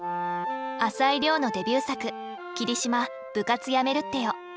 朝井リョウのデビュー作「桐島、部活やめるってよ」。